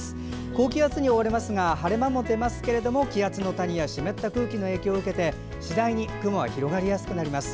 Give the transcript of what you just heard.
高気圧に覆われますが晴れ間も出ますけれども気圧の谷や湿った空気の影響を受けて次第に雲が広がりやすくなります。